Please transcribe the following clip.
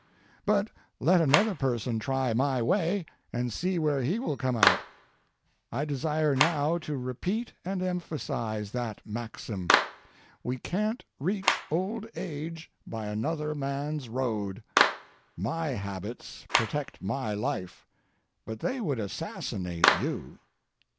But let another person try my way, and see where he will come out. I desire now to repeat and emphasise that maxim: We can't reach old age by another man's road. My habits protect my life, but they would assassinate you.